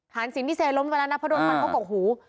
หานศิลป์ที่เซลลมเวลานับผ่านดนตร์ฟันเข้ากกหู